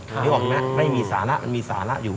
นึกออกไหมไม่มีสาระมันมีสาระอยู่